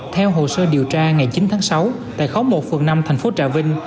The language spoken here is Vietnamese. theo hồ sơ điều tra ngày chín tháng sáu tại khóm một phường năm thành phố trà vinh